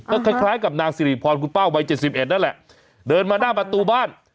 ก็คล้ายคล้ายกับนางสิริพรคุณป้าวัยเจ็ดสิบเอ็ดนั่นแหละเดินมาหน้าบาตรูบ้าน